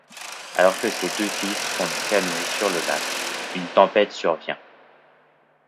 Alors que ses deux fils font du canoë sur le lac, une tempête survient.